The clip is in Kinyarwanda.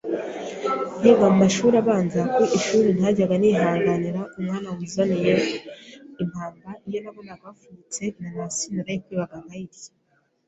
nkiga mu mashuri abanza ku ishuri ntajyaga nihanganira umwana wizaniye impamba iyo nabonaga wapfunyitse inanasi narayikwibaga nkayirya